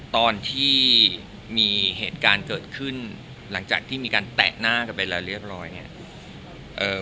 ตอนที่มีเหตุการณ์เกิดขึ้นหลังจากที่มีการแตะหน้ากันไปแล้วเรียบร้อยเนี่ย